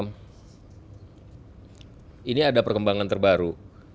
hmm ini ada perkembangan terbaru